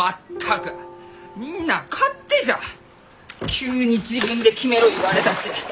急に「自分で決めろ」言われたち！